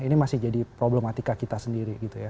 ini masih jadi problematika kita sendiri